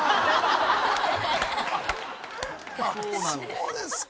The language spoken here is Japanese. そうですか！